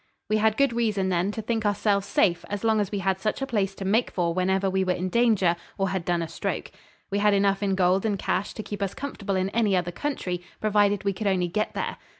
We had good reason, then, to think ourselves safe as long as we had such a place to make for whenever we were in danger or had done a stroke. We had enough in gold and cash to keep us comfortable in any other country provided we could only get there.